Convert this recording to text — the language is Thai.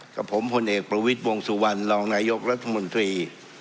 กับผมพลเอกประวิทย์วงสุวรรณรองนายกรัฐมนตรี